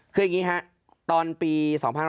คืออย่างนี้ครับตอนปี๒๐๑๕